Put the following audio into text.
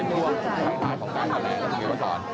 คุณรู้สึกว่าจะเป็นช่วงท้ายของการแสดงการแสดงการแสดง